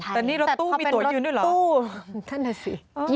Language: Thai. แต่นี่รถตู้มีตัวยืนด้วยเหรอตู้นั่นแหละสิ